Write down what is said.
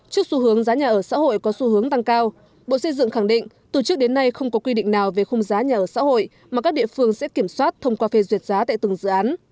trước xu hướng giá nhà ở xã hội có xu hướng tăng cao bộ xây dựng khẳng định từ trước đến nay không có quy định nào về khung giá nhà ở xã hội mà các địa phương sẽ kiểm soát thông qua phê duyệt giá tại từng dự án